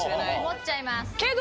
思っちゃいます。